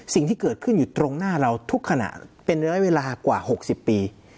สิ่งที่เกิดขึ้นอยู่ตรงหน้าเราทุกขณะเป็นระยะเวลากว่า๖๐ปี